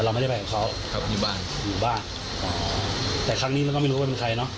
ไม่รู้ครับ